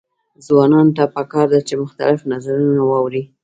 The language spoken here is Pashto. ځوانانو ته پکار ده چې، مختلف نظرونه واوري.